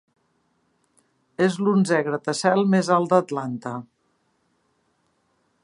És l'onzè gratacel més alt d'Atlanta.